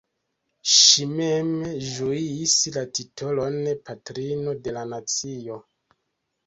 Ŝi mem ĝuis la titolon "Patrino de la Nacio".